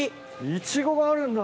イチゴがあるんだ。